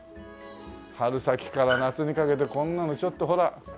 春先から夏にかけてこんなのちょっとほら。